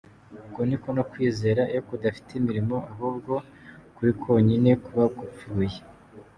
Uko ni ko no kwizera iyo kudafite imirimo, ahubwo kuri konyine kuba gupfuye.